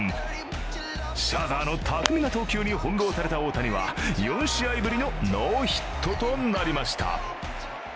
シャーザーの巧み投球に翻弄された大谷は４試合ぶりのノーヒットとなりました。